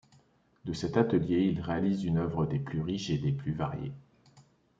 De cet atelier, il réalise une œuvre des plus riches et des plus variées.